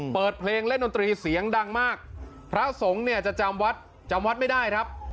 เปิดเพลงเล่นดนตรีเสียงดังมากพระสงฆ์เนี่ยจะจำวัดจำวัดไม่ได้ครับ